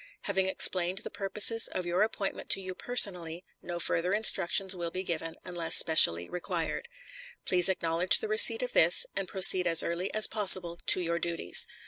Having explained the purposes of your appointment to you personally, no further instructions will be given unless specially required. Please acknowledge the receipt of this, and proceed as early as possible to your duties.